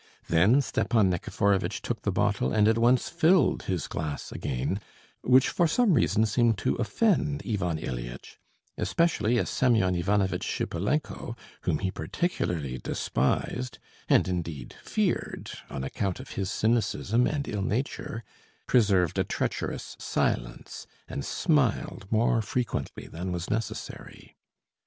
Then Stepan Nikiforovitch took the bottle and at once filled his glass again, which for some reason seemed to offend Ivan Ilyitch, especially as Semyon Ivanovitch Shipulenko, whom he particularly despised and indeed feared on account of his cynicism and ill nature, preserved a treacherous silence and smiled more frequently than was necessary.